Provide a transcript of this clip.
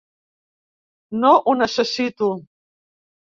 No ho necessito.